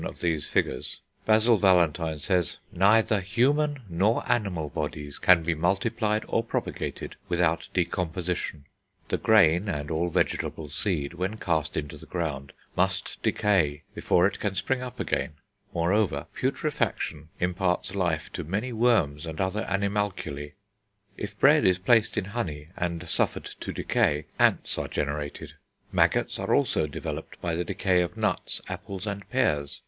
of these figures, Basil Valentine says: "Neither human nor animal bodies can be multiplied or propagated without decomposition; the grain and all vegetable seed, when cast into the ground, must decay before it can spring up again; moreover, putrefaction imparts life to many worms and other animalculæ.... If bread is placed in honey, and suffered to decay, ants are generated ... maggots are also developed by the decay of nuts, apples, and pears.